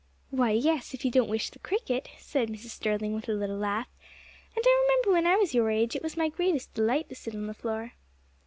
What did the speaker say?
"Why, yes, if you don't wish the cricket," said Mrs. Sterling with a little laugh, "and I remember when I was your age it was my greatest delight to sit on the floor."